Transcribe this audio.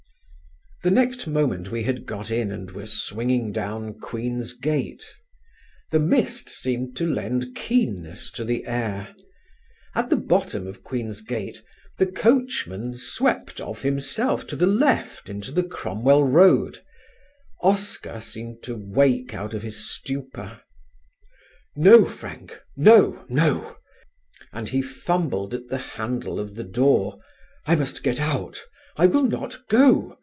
The next moment we had got in and were swinging down Queen's Gate. The mist seemed to lend keenness to the air. At the bottom of Queen's Gate the coachman swept of himself to the left into the Cromwell Road; Oscar seemed to wake out of his stupor. "No, Frank," he cried, "no, no," and he fumbled at the handle of the door, "I must get out; I will not go.